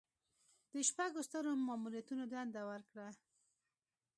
د شپږو سترو ماموریتونو دنده ورکړه.